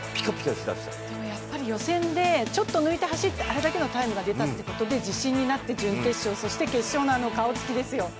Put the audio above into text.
でもやっぱり予選でちょっと抜いて走って、あれだけの記録が出て自信になって準決勝、そして決勝の顔つきですよ。